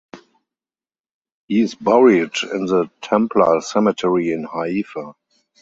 He is buried in the Templer cemetery in Haifa.